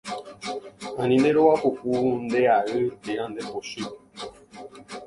Ani nderovapuku, ndeay térã ndepochy.